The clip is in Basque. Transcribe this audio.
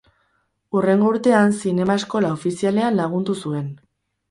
Hurrengo urtean Zinema Eskola Ofizialean lagundu zuen.